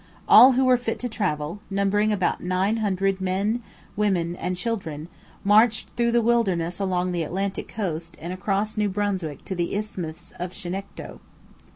All who were fit to travel, numbering about nine hundred men, women, and children, marched through the wilderness along the Atlantic coast and across New Brunswick to the isthmus of Chignecto.